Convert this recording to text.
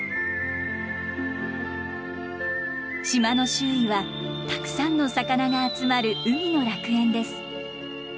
島の周囲はたくさんの魚が集まる海の楽園です。